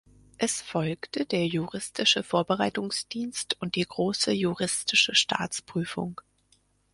Es folgte der juristische Vorbereitungsdienst und die Große juristische Staatsprüfung.